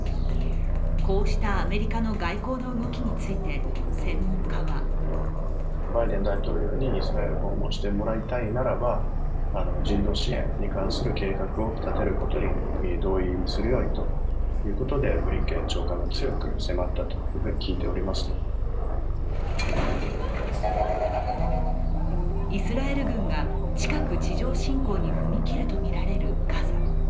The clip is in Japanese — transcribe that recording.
こうしたアメリカの外交の動きについて専門家はイスラエル軍が近く地上侵攻に踏み切るとみられるガザ。